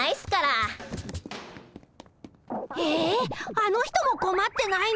あの人もこまってないの。